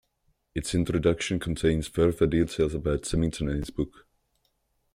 Its introduction contains further details about Symington and his book.